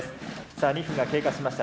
さあ２分が経過しました。